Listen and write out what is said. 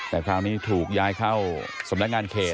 แต่คราวนี้ถูกย้ายเข้าสำนักงานเขต